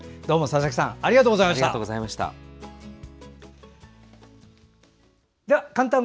佐々木さんありがとうございました。